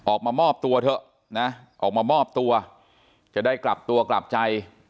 ออกมามอบตัวเถอะนะออกมามอบตัวจะได้กลับตัวกลับใจ